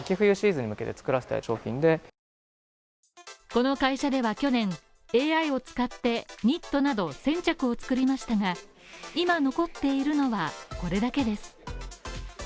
この会社では去年、ＡＩを使って、ニットなど１０００着を作りましたが今、残っているのはこれだけです。